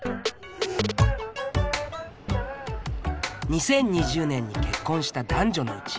２０２０年に結婚した男女のうち